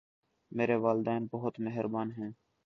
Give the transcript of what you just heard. میرے والدین بہت مہربان ہیں